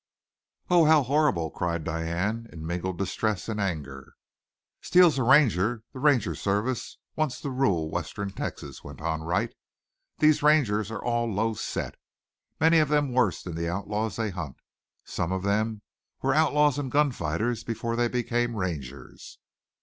"Oh! How horrible!" cried Diane, in mingled distress and anger. "Steele's a Ranger. The Ranger Service wants to rule western Texas," went on Wright. "These Rangers are all a low set, many of them worse than the outlaws they hunt. Some of them were outlaws and gun fighters before they became Rangers.